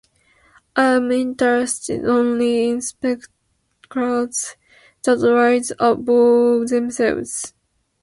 I am interested only in spectacles that rise above themselves.